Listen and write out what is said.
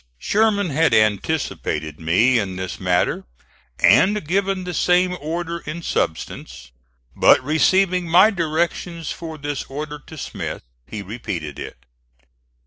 Sherman had anticipated me in this matter, and given the same orders in substance; but receiving my directions for this order to Smith, he repeated it.